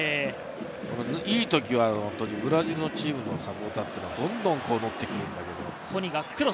いいときは本当にブラジルのチームのサポーターというのはどんどんノッてくる。